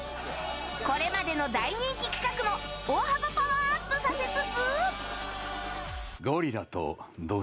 これまでの大人気企画も大幅パワーアップさせつつ。